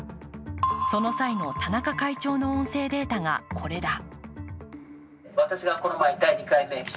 その際の田中会長の音声データがこれだ。